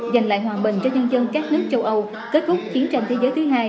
dành lại hòa bình cho nhân dân các nước châu âu kết thúc chiến tranh thế giới thứ hai